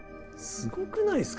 すごくないですか？